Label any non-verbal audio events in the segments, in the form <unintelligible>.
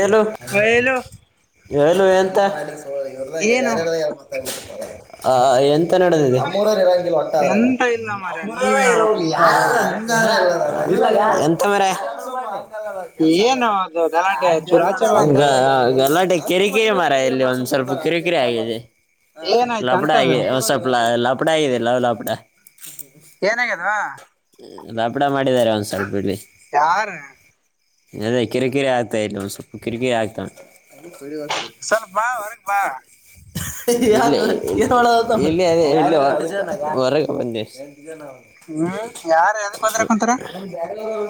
ಏಳು ಬಯಲು ಹೇಳ ಏನು ಎಂತ ನಡೆದಿದೆ ಅಮ್ಮರ ಇರ ಒಟ್ಟಾದ್ರ ಇರ ಎಂತ ಇಲ್ಲ ಮಾರ್ರೆ ನೀವ್ ಹೇಳ್ಬೇಕು ಸಾವು ಯ ಎಂತ ಮೇರೆ ಏನು ಅದು ಅದೆಲ್ಲ ಗಲ್ಲಾಟೆ ಕಿರಿಕಿರಿ ಮರ ಇಲ್ಲಿ ಒಂದ್ ಸ್ವಲ್ಪ ಕಿರಿಕಿರಿ ಆಗಿದೆ ಏನಾಯ್ತು ಲಾಪಡ ಅಂತದು ಆಗಿ ಸ್ವಲ್ಪ್ ಲ ಲಾಪಡ ಆಗಿದಿಲ್ಲ ಲಾಪಡ ಏನಾಗ್ಯದ ರಾಪಡ ಮಾಡ ಒಂದ ಸ್ವಲ್ಪ ಇ ಯಾರ ಅದೇ ಕಿರಕಿರಿ ಇಲ್ಲ ಒಂದ್ ಸ್ವಪ ಕಿರಿಕಿ ಆಗ್ತಾ ಸ್ವಲ್ಪ ಬಾ ಹೊರಗ್ ಬಾ ಳ ಇ ಇಲ್ಲರ ಮನ್ನೆ ಇಗ ಹ್ಮ್ ಯಾರ ಎದಕ್ ಒದ್ರಕಂತಾರ ಅವ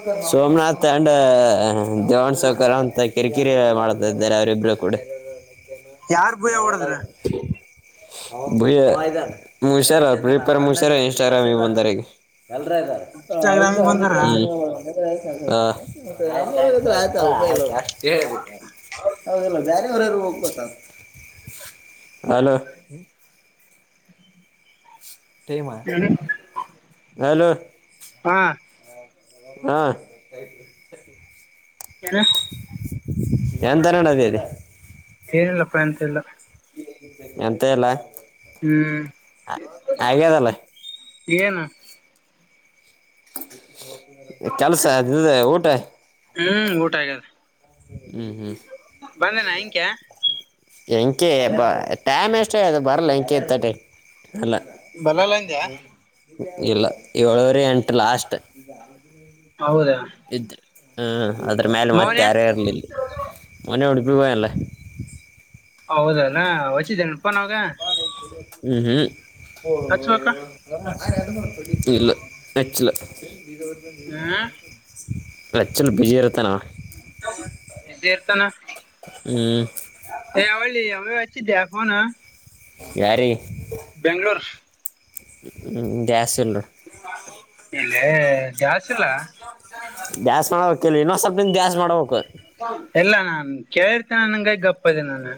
ಬ ಸೋಮನಾಥ್ ಅಂಡ್ ದೇವನ್ ಸ ಕರಂತ ಕಿರಿಕಿರಿ ಮಾಡ್ತಾ ಇದಾರೆ ಅವರಿಬ್ರು ಕೂಡ ಯಾರ್ ಭೂಯ ನವಟ ಹೊಡದ್ರ ಭಯ ಮುಷ್ಯಾರ ಪ್ರೀಪರ್ ಮುಷ್ಯಾರ ಇನ್ಸ್ಟಾಗ್ರಾಮ್ ಇ ಒಂದರೆಗೆ ಎಲ್ರ ಇದ್ದಾರೆ ಇನ್ಸ್ಟಾಗ್ರಾಮಿಗೆ ಒ ಬಂದಾರ ಕೆಸ ಅಷ್ಟೇ ಹೌದಲ್ಲ ಬೇರವರೆಾರೂ ಹೋಗ್ಬೋತ ಹಲೋ ಟೈಮ ಹಲೋ ಹಾ ಹಾ ಏನ್ಂತರೊಂಡದದಿರೆ ಏನಿಲ್ಲಪ್ಪಾ ಎಂತೆಲ್ಲ ಎಂತ ಎಲ್ಲ ಹ್ಮ್ ಆ ಹಾಗ್ಯದಲ್ಲ ಏನಾ ಕೆಲ್ಸ ಇದುದೆ ಊಟ ಹ್ಮ್ ಹ್ಮ್ ಬಂದೇನಾ ಅಂಕ್ಯಾ ಎಂಕೆ ಬಾ ಟೈಮ್ ಎಷ್ಟೇ ಅದು ಬರಲ್ಲ ಎಂಕ ಇತ್ತ ಟ ಅಲ್ಲ ಬಲ್ಲಲ್ಲ ಅಂದ್ಯಾ ಇಲ್ಲ ಏಳವರಿ ಎಂಟು ಲಾಸ್ಟ್ ಹೌದಾ ಹ್ಮ್ ಅದ್ರ ಮೇಲೆ ಮೌನ ಮತ್ತೆ ಆರೇರಲಿಲ್ಲ ಮೊನ್ನೆ ಉಡುಪಿಪಯಲ್ಲ ಹೌದಲ್ಲ ವಚಿದ್ದೇನೆ ಹ್ಮ್ ಹ್ಮ್ ಹಚ್ಬೇಕ ಇಲ್ಲ ನಚ್ಚಿಲ್ಲ ಹ್ಮ್ ಲಚ್ಚಲ್ಲಿ ಬಿಜಿ ಇರುತ್ತೆ ನಾವ ೇರ್ತಾನ ಹ್ಞೂ ಹ ಆವಡ್ಲಿ ಅ ಹಚ್ಚಿದ ಫೋನು ಯಾರಿ ಬೆಂಗಳೋರ್ ಗ್ಯಾಸ್ ಇಲ್ಲ ಇಲ್ಲೇ ಗ್ಯಾಸ್ ಇಲ್ಲ ಗ್ಯಾಸ್ ತಿಲ್ ಸ್ವಲ್ಪ ದಿನ ದ್ಯಾಸ್ ಮಾಡಬೇಕು ಎಲ್ಲ ನಾನ್ ಕೇಳಿರ್ತೇನೆ ನಂಗೈ ಗಪ್ಪದೆ ನಾನು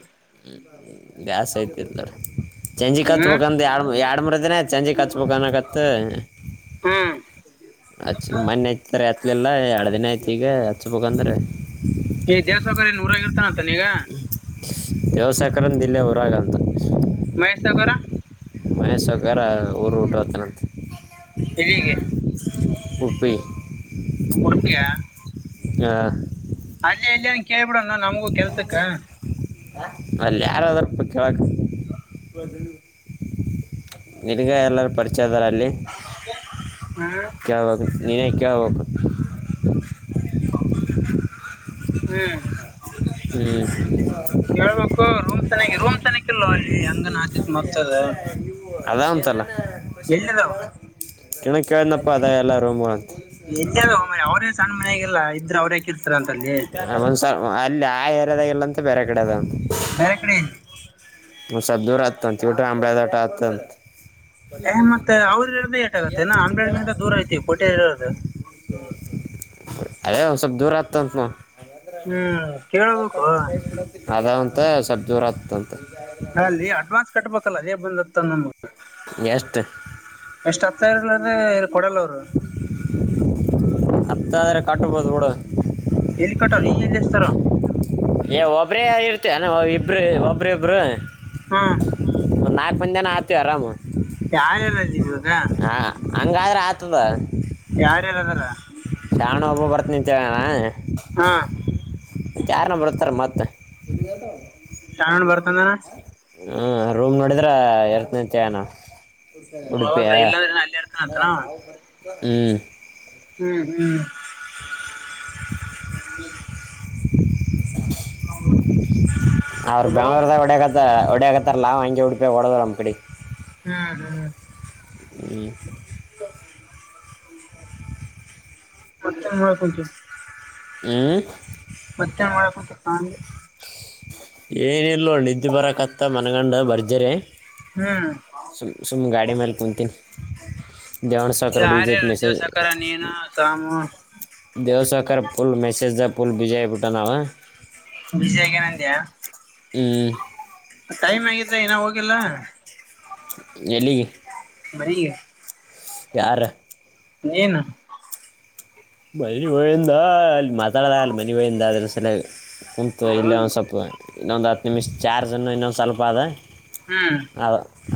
ದ್ಯಾಸ್ ಐತಿಲ್ಲಾರ ಚಂಜಿ ಕ ಹ್ಮ್ ಹತ್ಬೇಕಂದು ಎರಡು ಎರಡು ಮರ ದಿನ ಚಂಜಿ ಕ ಹತ್ಬೇಕನ್ಕತ್ತ ಹ್ಮ್ ಹಚ್ಚ ಮನ್ನೆ ಯತಾರೆ ಹತ್ಲಿಲ್ಲಾ ಎರಡು ದಿನ ಐತಿ ಈಗ ಹಚ್ಬೇಕಂದ್ರೆ ಈ ದೇವಸಕಾರಿ ನೂರಾಗಿ ಇರ್ತಾನತಾನ ಈಗ ದವಸಾಯಕರನ್ ದಿಲ್ಲಿೇ ಹೊರಾಗ ಅಂತ ಮಹ್ಸಗರ ಮಹೇ ಸೌಕಾರರ ಊರು ಊಟ ಹೋತನಂತೆ ಇಲ್ಲಿಗೆ ಉಡುಪಿ ಉಡುಪಿಯಾ ಹಾ ಕೇಳ್ಬಿಡಣ ನಮಗೂ ಕೆಲ್ಸಕ್ಕ ಮಲ್ಲಿ ಯಾರದಾರಪ್ಪ ಕೇಳಕ್ ನಿಗ ಎಲ್ಲಾರು ಪರಿ ಹಚ್ಚದರಲ್ಲಿ ಹ್ಮ್ ಕೇಳ್ಬೇಕ ನೀನೇ ಕೇಳ್ಬೇಕು ಹ್ಮ್ ಹ್ಮ್ ಕೇಳ್ಬೇಕು ರೂಮ್ ಚೆನ್ನಾಗಿ ರೂಮ್ ಚೆನ್ನಕ್ ಇಲ್ೋ ಅಲ್ಲಿ ಹಂಗನ್ ಆತಿತ್ ಮತ್ತದ ಅದ ಉಂತಲ್ಲ ಎಲ್ಲಿದಾವ ಕೆಣಕ್ ಕೇಳ್ದನಪ್ಪ ಅದ ಎಲ್ಲ ರೋಮ ಇದ್ದ ಲೋ ಮಾಯ ಅವ್ರೇ ಸಣ್ಣ ಮನೆ ಆಾಗಿಲ್ಲ ಇದ್ರ ಅವ್ರ ಹಾಕಿರ್ತ ನ ಒಂದ್ಸ ಅಲ್ಲಿ ಆ ಏರಿಯಾದಾಗೆಲ್ಲ ಅಂತ ಬೇರೆ ಕಡೆ ಅದ ಬ್ಯಾರ್ಕಡಿ ಹ ಸ್ದೂರ ಆಗ್ತಂತ ಟ ಅಂಬದಟ ಆತಂತ ಮತ್ತೆ ಅವ್ರ ಇರೋದ ಏಟಾಗುತ್ತೆ ನ ಹನ್ನೆರಡ್ ಗಂಟ ದೂರ ಐತಿವಿ ಪೋಟಿ ಇರೋದು. ಹೌ <inaudible> ಅದೇ ಒಂದು ಸ್ವಲ್ಪ್ ದೂರ ಆತಂತ ಹ್ಮ್ ಕೇಳ್ಬೇಕು ಅದ ಮತ್ತೇ ಸ್ವಲ್ಪದೂರ ಆಗ್ತಂತ. ಅಲ್ಲಿ ಅಡ್ವಾನ್ಸ್ ಕಟ್ಬೇಕಲ್ಲ ಅದೇ ಬಂದ್ತನಮಗ. ಎಷ್ಟ, ಎಷ್ಟು ಹತ್ತುಸಾವಿರ ಇಲ್ದೆ ಕೊಡಲೂರು. ಹತ್ತು ಸಾವಿರ ಕಟ್ಬೋದು ಬಿಡು. ಎಲ್ಲಿ ಕಟವನೀ ಎಲ್ಲಿಂದತರಾವ. ಏ ಒಬ್ರೇ ಇರ್ತಿ ಎನು ಇಬ್ರು, ಒಬ್ರ -ಇಬ್ರು ಹ್ಮ್, ನಾಲ್ಕು ಮಂದಿ ಎನ ಆತವಿ ಆರಾಮ ಯಾರ್ಯಾರ ಇದೀವಿ ಇವಾಗ ಹ ಹಂಗಾದ್ರೆ ಆತದ. ಯಾರ, ಯಾರ ಅದಾರ ಶಾಣು ಒಬ್ಬ ಬರ್ತಿನಂತೇಳನಾ ಹಾ ಯಾರನ ಬರ್ತಾರ ಮತ್ತ <inaudible> ಶಾಣು ಬರ್ತಂದನ. ಹ್ಮ, ರೂಮ್ಡಿದ್ರ ಇರ್ತಿನಂತಹೇಳಾನ. ಉಡುಪಿಯ, ಹೌದಾ ಇಲ್ಲಾಂದ್ರೆ ಅಲ್ಲೇ ಇರ್ತಾನಂತನ ಅವ ಹ್ಮ್ ಹ್ಮ್, ಹ್ಮ್- <unintelligible> ಹ್ಮ್ <inaudible> ಅವ್ರ ರೂಮ್ ಬೆಂಗ್ಳೂರ್ದಾಗ ಹೊಡಕತ್ತ, ಹೊಡಕತ್ತಾರಲ್ಲ ಹಂಗೆ ಉಡ್ಪೇಗ ಹೊಡದಬಿಡಮ್ ತಡಿ. ಹ್ಮ್ ಹ್ಮ <unintelligible> ಈ್ಮ <unintelligible> ಮತ್ತ ಮಾಡ ಕೊತ <unintelligible> ಹ್ಮ್, ಮಧ್ಯಾಹ್ನ ಮಾಡಕ್ಕಂತೆ <unintelligible> ಏನಿಲ್ಲೋಡ ನಿದ್ದೆ ಬರಕತ್ತ ಮನ್ಗಂಡ, ಭರ್ಜರಿ ಹ್ಮ್ ಸ ಸುಮ ಗಾಡಿ ಮಾಗಲ ಕುಂತಿ ನಿ. ಧ್ಯಾನ್ ಸ ಕೋಡ ವಿಗತ ಯಾರ್ಯಾರು ಮೇಸ ದೇವ್ <unintelligible> ಸಾಕಾರ ನೀನು ಸಾಮು ದೇವುಸಾವುಕರ ಪುಲ್ ಮೆಸೇಜ್ಗದಾ ಪುಲ್ ಬಿಜಿಯಾಗಿ ಬಿಟ್ಟಾನ. ಬಿಸಿ ಆಗ್ಯಾನ ಅಂದ್ಯಾ ಹ್ಞೂ ಟೈಮ್ ಆಗಿದೆ ಇನ್ನಾ ಹೋಗಿಲ್ಲ. ಎಲ್ಲಿಗಿ ಮರ <unintelligible> ಯಾರ ನೀನು- ಮಣಿ ಒಾಯಂದಾಲ್ಲಿ <unintelligible> ಮನಿಗಿಹೋಗಿಂದಾ ಅಗಲ್ಲ ಮತಾಡದ ಹಾಗಲ್ಲ ಆದರೆ ಸಂಬಂದ ಕುಂತು ಇಲ್ಲೇ ಹೌದು ಒಂದು ಸ್ವಲ್ಪ ಇನ್ನೊಂದು ಹತ್ತು ನಿಮಿಷ. ಚಾರ್ಜನ್ನು ಇನ್ನೊಂದು ಸ್ವಲ್ಪ ಅದ- ಹ್ಮ್ ಅ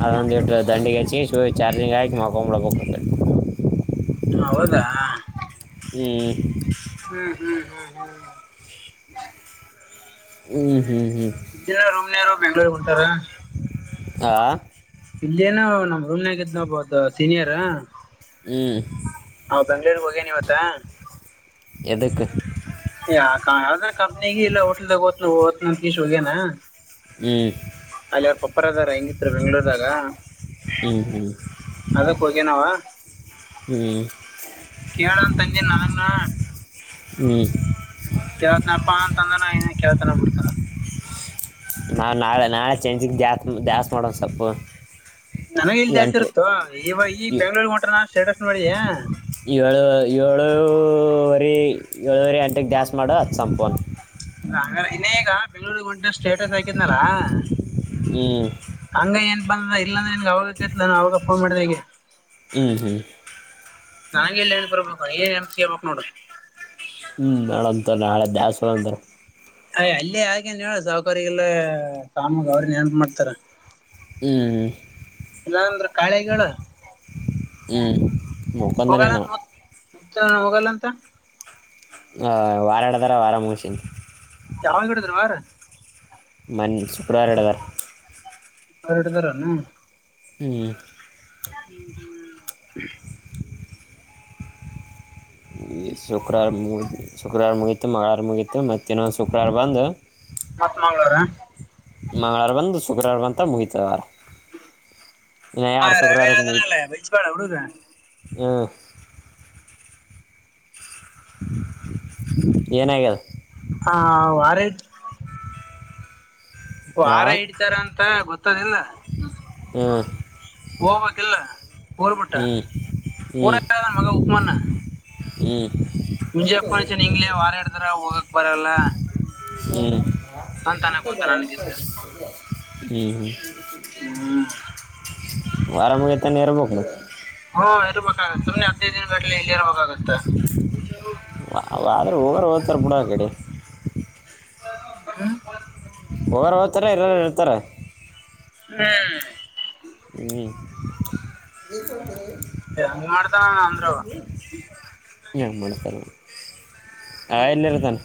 ಅದೊಂದುಟದಂಡಿ ಅಚ್ಚಿಗೆಸಿ ಚಾರ್ಜಿಂಗ್ ಆಕಿಮಕ್ಕೊಂದ ಬಿಡ್ಬೇಕು. <unintelligible> ಹ ಹೌದಾ, ಹ್ಮಞ <unintelligible> ಹ್ಮ್ ಹ್ಮ್ ಹ್ಮ್ ಹ್ಮ್ <inaudible> ಹ್ಮ್, ಇನ್ನ ರೂಮನರು ಬೆ್ಯಾಂಗ್ಳೂರು ಹೊಂಟಾರ <unintelligible> ಆ ಇಲ್ಲೇನು ನಮ್ ರೂಮ್ನಾಗಿದ್ನ ಒಬ್ಬವದ್ದ ಸೀನಿಯರ್ ಹ್ಮ, ನಾ ಬೆಂಗ್ಳೂರ್ಗ್ ಹೋಗೇನಿವತ್ತ. ಎದಕ್ಕ, - ಯಾವ್ದರಕಂಪ್ನಿಗೆ, ಇಲ್ಲ ಹೋಟಲ್ದಾಋ ಓತಿನಿ ಅಂತ ಹೇಳಿ ಹೋಗೇನಾ. ಹ್ಞೂ ಅಲ್ಲಿಾರ ಪಪ್ಪರದಾರ ಹೆಂಗಿತ್ ಬೆಂಗ್ಳೂರ್ದಾಗ ಹ್ಞೂ ಹ್ಞೂ ಅದ ಹೋಗೇನಾವ ಹ್ಞೂ ಕೇಳಾ ತಂದೆ ನಲಂಗಣ ಹ್ಮ ಕೇಳ್ತನಪ್ಪ ಅಂತಂದಾನ ಏನ ಕೇಳ್ತನ ಕೊಡ್ತಾನ ನಾವು ನಾಳೆ ನಾಳೆ ಚೆಂಜಿಗೆ ದಸ್ ದ್ಯಾಸ್ತಿ ಮಾಡೋಣ ಸೊಪ್ಪು ನನಗ ಇಲ್ ಜಾಸ್ತಿ ಇರುತ್ತೋ ಈವಾಗ ಈ ಬೆಂಗ್ಳೂರ್ ಹೊಟ್ರ ನಾ ಸ್ಟೇಟಸ್ ನೋಿ ಏಳು ಏಳೂುವರಿ ಏಳೂುವರೆ ಅಂಟೆಗೆ ಸ್ ಮಾಡು ಅದು ಸಂಪೋನ್ ಗ ಇನ್ನ ಈಗ ಬೆಂಗಳೂರ್ ಹೊಂಟ ಸ್ಟೇಟಸ್ ಆಾಕಿದ್ನಲ ಹ್ಞೂ ಹಂಗ ಏನ್ ಬಂದ ಇಲ್ಲಾಂದ್ರೆ ನಿನ್ಗ ಅವಾಗ ಕೇಲ ನ ಅವಾಗ ಫೋನ್ ಮಾಡ್ದ ಈಗೆ ಹ್ಮ್ ಹ ನಂಗೆ ಇಲ್ಲನ ಪ್ರ ಸಿಪಕ್ ನೋಡು ಸಲಂದರ್ ಅಯ ಅಲ್ಲೇ ಹಾಗೇನ್ ಹೇಳ ಸಾಹಕಿಗೆಲ್ಲ ಸಾಮಾಗ ಅವ್ರನ್ ಏನ್ ಮಾಡ್ತಾರ ಹ್ಮ್ ಇಲ್ಲಾ ಅಂದ್ರ ಕಾಳೆಗ ಹ್ಞೂ ಮುಖಂದನೇ ಹೋಗಣ ನಾವು ಮ ಹೋಗಲ್ಲ ಅಂತ ವಾರಾಡ ಥರ ವಾರ ಮುಗಸಂದು ಯಾವಾಗ ಕಡದರುವಾರ ಮನ್ ಶುಕ್ರವಾರಡಗರ್ ಹೊಟದರ್ಣ ಹ್ಮ್ ಹ್ಮ್ ಹ್ಮ್ <inaudible> ಶುಕ್ರವಾರ ಮುಗು ಶುಕ್ರವಾರ ಮುಗೀತು ಮಂಗಳವಾರ ಮುಗೀತು ಮತ್ತ ಇನ್ನೊಂದು ಶುಕ್ರವಾರ ಬಂದು ಮತ್ತ ನಳಾರ ಮಂಗಳವಾರ ಬಂದು ಶುಕ್ರವಾರ ಬಂತ ಮುಗಿತವಾರ ಹಾ ರವೆಾದಾನ ಇಲ್ಲ ಬೈಜಪಾಳ ಹಡು ಹ ಏನಾಗ್ಯಲ್ಲ ಹಾ ವಾರ ಹಾ ವಾರ ಹಡ್ತಾರ ಅಂತ ಗೊತ್ತದಿಲ್ಲ ಹ ಹಬಕ್ಕಲ್ಲ ಊರ್ಬಟ್ಟ ಪೂರ ಮಗ ಉಕ್ಮಾನ ಹ್ಮ್ ಮುಂಜೆಪ್ಪಚನ್ ಹಂಗ್ ವಾರಾಡ್ದಾರ ಹೋಗಕ್ ಬರಲ್ಲ ಹ್ಮ್ ಅಂತ ಅನಕೊಂತ ನನ್ಗಿದ್ದ ಹ್ಮ್ ಹ್ಮ್ ಹ್ಮ ವಾರಾಮಗೈತಾನೆ ಇರ್ಬೇಕ ಹ ಇರ್ಬೇಕಾಗತ್ತ ಸೆ ಹದ್ದ ದನ್ ಬಟ್ಲೆ ಇಲ್ಲಿ ಇರ್ಬೇಕಾಗತ್ತ ಆದ್ರ ಹೋಗರು ಓದ್ತಾರೆ ಬಿುಡ ಕಡೆ ಹ್ಮ ಹೋಗಾರ ಹೋಗ್ತಾರ ಇರಾರ ಇರ್ತಾರ ಹ್ಮ್ ಹ್ಮ್ ಹಂಗ ಮಾಡತ ಅಂದ್ರವ ನ್ ಮಾಡಣತರ ಆ ಎನ್ನರೆತಾನ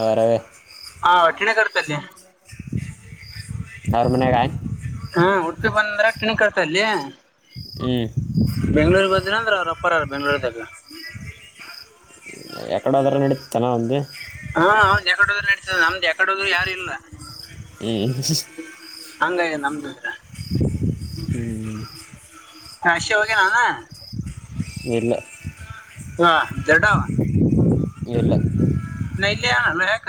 ಆ ಹಾ ವಠಿಣೆ ಕರ್ತಲ್ಲಿ ಯ ಮ ಕ ಹಾ ಉಡುಪಿ ಬಂದ್ರ ಕಿಣಿ ಕಡ್ತ ಅಲ್ಲಿ ಹ್ಞೂ ಬೆಂಗಳೂರ್ ಬದ್ರ ಅಂದ್ರ ಅವ್ರಪ್ಪರಾರ ಬೆಂಗ್ಳೂರ್ದಾಗ ಎಕಡ ಹದಾರ ನಡಿ ಚೆನ್ನವುಂದು ನಮ್ದು ಯಕಡದು ಯಾರು ಇಲ್ಲ ಹ್ಞೂ ಹಂಗ ನಮ್ದು ಹ್ಮ ಹಾಸಿ ವೋಗ ನ ಇ ಹಾ ದಡವಾ ಇಲ್ಲ ನ ಲಯನಲ್ಲಯಕ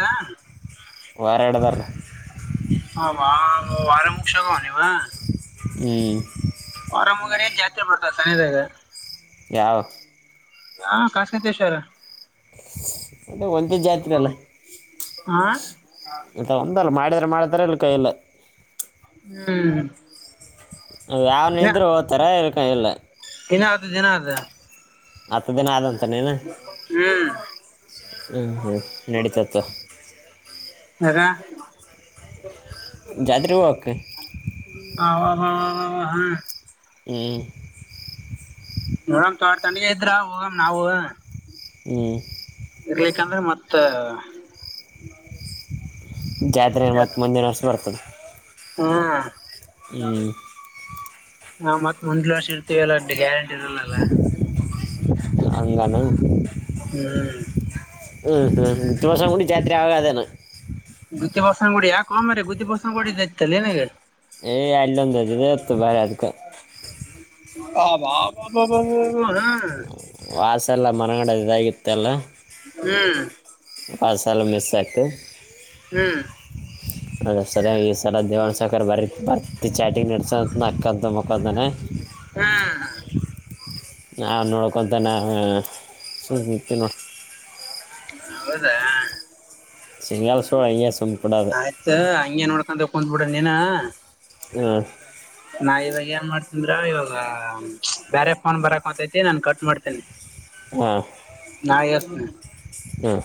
ವಾರಾಡ್ದಾರೆ ಹ ವಾರ ಮುಕ್ ಶಕ ನೀವ ಹ್ಮ್ ವಾರಾಮಗಾರ ಜಾತ್ರೆ ಬಡ್ತಾರೆ ತನದ ಯಾವ ಹಾ ಕಾಸತೇಶ್ವರ ಅ ಒಂದೇ ಜಾತಿನಲ್ಲ ಹಾ ಇಂತ ಒಂದಲ್ಲ ಮಾಡಿದ್ರ ಮಾಡತಾರ ಅಲ್ಲ ಕೈಯಲ್ಲ ಹ್ಮ್ ಯಾವ ನಿದ್ರೆ ಹಓ್ತರೆ ಇರ್ಕ ಇಲ್ಲ ಏನ ಆತದೆ ದಏನ ಆತ ಹತ್ತು ದಿನ ಆದಂತ ನೀನು ಹ್ಮ್ ಹ್ಮ್ ಹ್ಮ್ ನಡೀತತ್ತು ಹೆ <inaudible> ಜಾದರಿ ಹಕ ಹ ಹ್ಮ <unintelligible> ಹ್ಮ್ ನೋಡಮ ತಾರ ತನಗ ಇದ್ರ ಹೋಗಮ ನಾವು ಹ್ಮ ಇರ್ ಯಾಕಂದ್ರೆ ಮತ್ತ ಜ್ಯಾದ್ರೆ ಮತ್ತು ಮಂದಿರಷ್ಟಸ್ ಬರ್ತದೆ ಹ್ಮ ಹ್ಮ್ ಹಾ ಮತ್ತ್ ಮುಂಲು ವರ್ಷ ಇರ್ತೀವ ಎಲ್ಲ ಅ ಗ್ಯಾರಂಟಿ ಇರಲ್ಲಲ್ಲ ಅಂಗಲಾನ ಹ್ಮ್ ಹ್ಮ್ ಹ್ಮ್ ಮುು ವರ್ಷಂ ಕೂಡಿ ಜಾತ್ರಿ ಆಗದೇನೆ ಗುತ್ತಿ ಬರ್ಸಂಗ ಗುಡಿ ಯ ಕಮ ಗತ್ತಿ ಬಸಂಗ ಗಡಿ ದಲ್ಲಿ ನಗೆ ಏ ಅಲ್ಲಂದ ಎತ್ತು ಬರ ಅದಕ್ಕೆ ಆಬ ಹಾ ಸಲ್ಲ ಮರಗಡ ಇದಾಗಿತ್ತಲ್ಲ ಹ್ಮ್ ಹಾರ ಸಾಲ ಮಿಸ ಸತೆ ಹ್ಮ್ ಅದ ಸರಿ ಸಲ ದೇವಾಣ ಸಖರ್ ಬರೀ ಬರ್ ಚಾಟಿಂಗ್ ನಡ್ಸೋ ನಕ್ಕ್ದ ಮುಕ್ಕಂದನೆ ಹಾ ನ ನೋಡ್ಕೊಂತಾನ ಸುತ ನೋ ಹೌದಾ ಸಿಂಗಲ್ ಸೋಳ ಹಿಂಗೆ ಸುಮ್ಮ ಕೊಡೋದು ಆಯ್ತ ಹಂಗಗೆ ನೋಡ್ಕಂತ ಕುಂದ್ಬಿಡ ನೀನ ಹ ನಾ ಇವಾಗ ಏನ್ ಮಾಡ್ತಂದ್ರ ಇವಾಗ ಬೇರೆ ಫೋನ್ ಬರಕ್ ಹೊತೈತಿ ನಾನನ್ ಕಟ್ ಮಾಡ್ತೇನೆ ನ ಎಸ್ ಹಾ